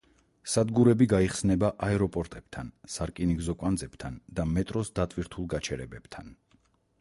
სადგურები გაიხსნება აეროპორტებთან, სარკინიგზო კვანძებთან და მეტროს დატვირთულ გაჩერებებთან.